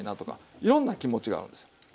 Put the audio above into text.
いろんな気持ちがあるんですよ